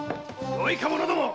よいか者ども！